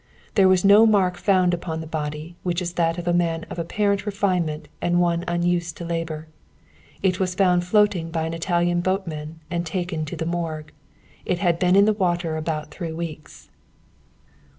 There was no mark found upon the body, which is that of a man of apparent refinement and one unused to labor. It was found floating by an Italian boatman and taken to the morgue. It had been in the water about three weeks."